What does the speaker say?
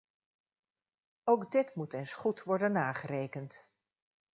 Ook dit moet eens goed worden nagerekend.